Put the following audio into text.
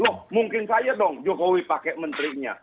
loh mungkin saja dong jokowi pakai menterinya